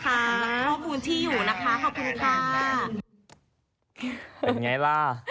ขอบคุณที่อยู่นะคะขอบคุณค่ะ